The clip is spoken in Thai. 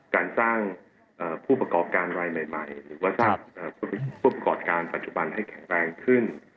การสร้างผู้ประกอบการรายใหม่หรือว่าสร้างผู้ประกอบการปัจจุบันให้แข็งแรงขึ้น